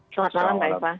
selamat malam pak